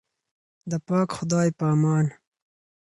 د پاک خدای په امان.